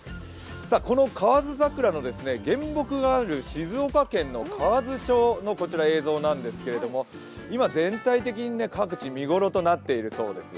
この河津桜の原木がある静岡県の河津町の映像なんですけれども今、全体的に各地見頃となっているそうですよ。